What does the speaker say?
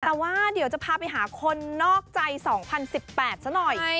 แต่ว่าเดี๋ยวจะพาไปหาคนนอกใจ๒๐๑๘ซะหน่อย